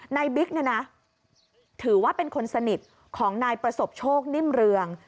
นายบิ๊กถือว่าเป็นคนสนิทของนายประสบโชคนิ่มเรือง